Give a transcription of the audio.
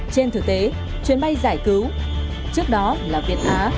trên thực tế chuyến bay giải cứu trước đó là việt á